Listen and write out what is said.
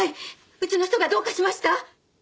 うちの人がどうかしました？